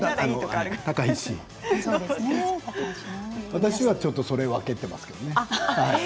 私は、ちょっとそれを分けていますけどね。